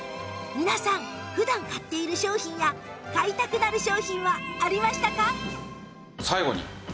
皆さん普段買っている商品や買いたくなる商品はありましたか？